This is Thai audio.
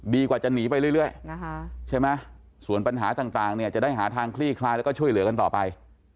กว่าจะหนีไปเรื่อยใช่ไหมส่วนปัญหาต่างเนี่ยจะได้หาทางคลี่คลายแล้วก็ช่วยเหลือกันต่อไป